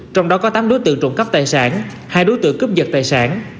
trong đó có tám đối tượng trộm cấp tài sản hai đối tượng cướp vật tài sản